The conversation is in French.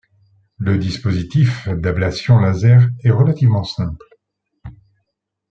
Le dispositif d'ablation laser est relativement simple.